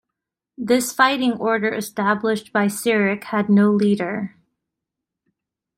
This fighting order established by Cyric had no leader.